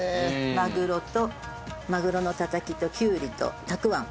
マグロとマグロのたたきときゅうりとたくあん。